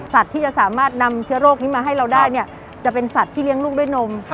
ที่จะสามารถนำเชื้อโรคนี้มาให้เราได้เนี่ยจะเป็นสัตว์ที่เลี้ยงลูกด้วยนม